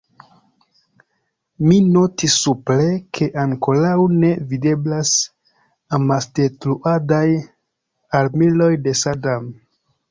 Mi notis supre, ke ankoraŭ ne videblas amasdetruadaj armiloj de Sadam.